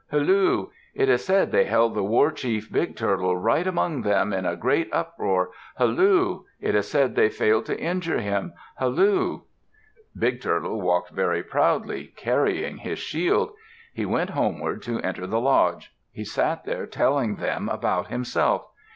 Halloo! It is said they held the war chief, Big Turtle, right among them, in a great uproar. Halloo! It is said they failed to injure him. Halloo!" Big Turtle walked very proudly, carrying his shield. He went homeward to enter the lodge. He sat there telling them about himself.